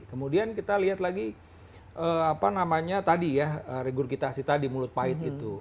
kemudian kita lihat lagi apa namanya tadi ya regur kita sita di mulut pahit itu